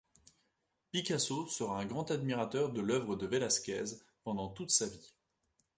Picasso sera un grand admirateur de l’œuvre de Velázquez pendant toute sa vie.